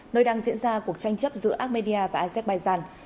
nơi đang diễn ra cuộc tranh chấp giữa armenia và azerbaijan